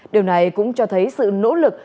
điều này cũng cho thấy sự nỗ lực